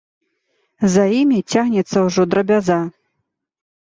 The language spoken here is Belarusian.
За імі цягнецца ўжо драбяза.